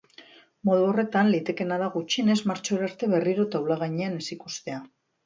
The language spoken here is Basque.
Modu horretan, litekeena da gutxienez martxora arte berriro taula gainean ez ikustea.